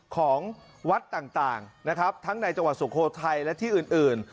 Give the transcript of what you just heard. ของวัดต่างนะครับทั้งในจังหวัดสุโขทัยและที่อื่น